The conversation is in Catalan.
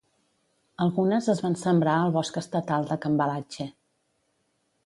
Algunes es van sembrar al Bosc Estatal de Cambalache.